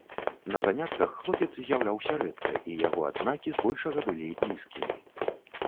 На занятках хлопец з'яўляўся рэдка, і яго адзнакі збольшага былі нізкімі.